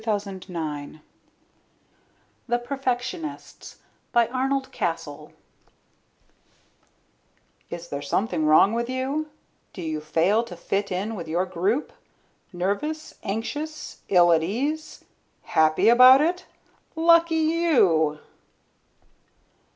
net THE PERFECTIONISTS By ARNOLD CASTLE ILLUSTRATED by SUMMERS _Is there something wrong with you? Do you fail to fit in with your group? Nervous, anxious, ill at ease? Happy about it? Lucky you!